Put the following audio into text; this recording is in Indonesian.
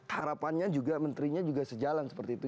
harapannya juga menterinya juga sejalan seperti itu